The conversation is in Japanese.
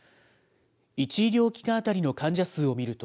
１医療機関当たりの患者数を見ると、